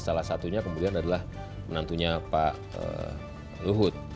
salah satunya kemudian adalah menantunya pak luhut